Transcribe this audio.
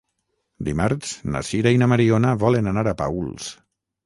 Dimarts na Sira i na Mariona volen anar a Paüls.